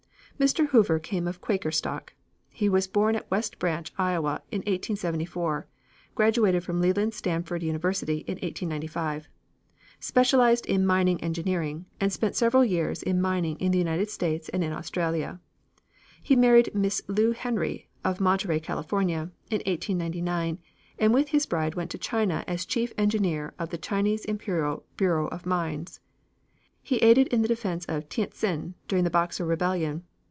Mr. Hoover came of Quaker stock. He was born at West Branch, Iowa, in 1874, graduated from Leland Stanford University in 1895, specialized in mining engineering, and spent several years in mining in the United States and in Australia. He married Miss Lou Henry, of Monterey, California, in 1899, and with his bride went to China as chief engineer of the Chinese Imperial Bureau of Mines. He aided in the defense of Tientsin during the Boxer Rebellion.